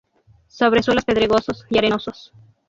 Sobre suelos pedregosos y arenosos.